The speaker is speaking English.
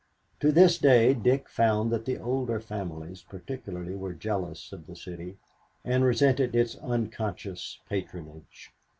To this day Dick found that the older families particularly were jealous of the city and resented its unconscious patronage.